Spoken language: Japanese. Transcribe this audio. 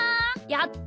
やった！